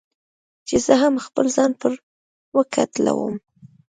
چې زه هم خپل ځان پر وکتلوم.